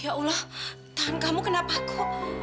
ya allah tahan kamu kena paku